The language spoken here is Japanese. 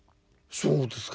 そうですか。